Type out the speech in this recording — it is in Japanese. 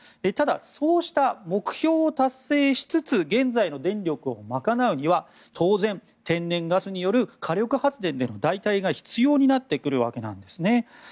ただ、そうした目標を達成しつつ現在の電力を賄うには、当然天然ガスによる火力発電での代替が必要になってくるわけなんですね。